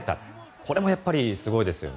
これもやっぱりすごいですよね。